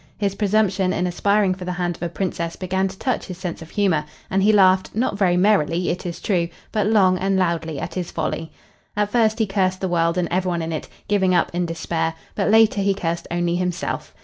His presumption in aspiring for the hand of a Princess began to touch his sense of humor, and he laughed, not very merrily, it is true, but long and loudly, at his folly. At first he cursed the world and every one in it, giving up in despair, but later he cursed only himself.